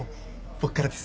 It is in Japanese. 僕からです。